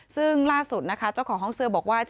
ซึ่งล่าสุดนะคะเจ้าของห้องเสื้อบอกว่า